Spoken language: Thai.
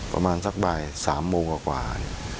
ประมาณสักบ่าย๓โมงกว่า